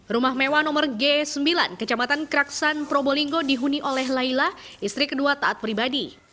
rumah mewah nomor g sembilan kecamatan kraksan probolinggo dihuni oleh laila istri kedua taat pribadi